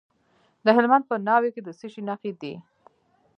د هلمند په ناوې کې د څه شي نښې دي؟